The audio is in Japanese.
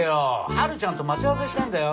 春ちゃんと待ち合わせしてんだよ！